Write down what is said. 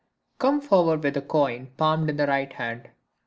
—Come forward with a coin palmed in the right hand.